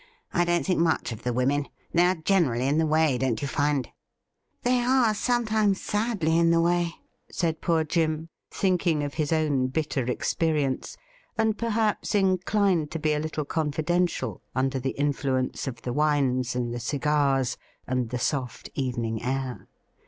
I don't think much of the women. They are generally in the way, don't you find .'"' Tliey are sometimes sadly in the way,' said poor Jim, 42 THE RIDDLE RING thinking of his own bitter experience, and perhaps inclined to be a little confidential under the influence of the wines and the cigars and the soft evening air.